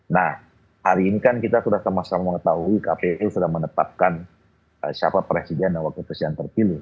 nah hari ini kan kita sudah sama sama mengetahui kpu sudah menetapkan siapa presiden dan wakil presiden terpilih